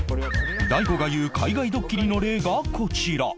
大悟が言う海外ドッキリの例がこちら